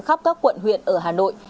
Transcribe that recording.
khắp các quận huyện ở hà nội